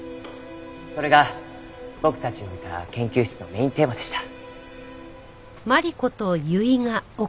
それが僕たちのいた研究室のメインテーマでした。